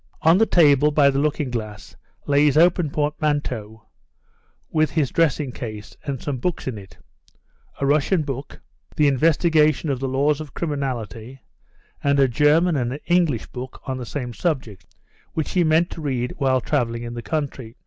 On a table by the looking glass lay his open portmanteau, with his dressing case and some books in it; a Russian book, The Investigation of the Laws of Criminality, and a German and an English book on the same subject, which he meant to read while travelling in the country.